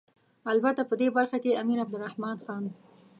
البته په دې برخه کې امیر عبدالرحمن خان.